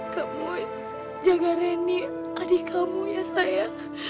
kamu jaga reni adik kamu ya sayang